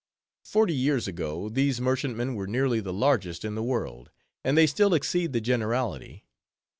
Forty years ago, these merchantmen were nearly the largest in the world; and they still exceed the generality.